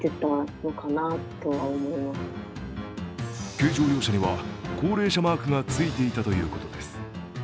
軽乗用車には高齢者マークがついていたということです。